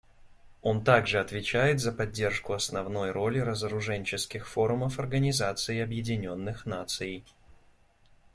Он также отвечает за поддержку основной роли разоруженческих форумов Организации Объединенных Наций.